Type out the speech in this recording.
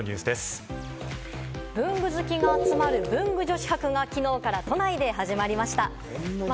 文具好きが集まる文具女子博が、きのうから都内で始まりました。